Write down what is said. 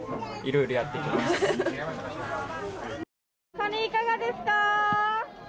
カニいかがですか？